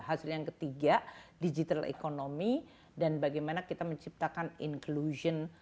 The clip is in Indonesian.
hasil yang ketiga digital economy dan bagaimana kita menciptakan inclusion